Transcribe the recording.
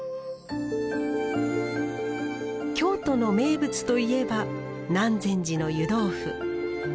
京都の名物といえば南禅寺の湯豆腐。